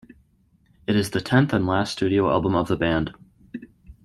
It is the tenth and last studio album of the band.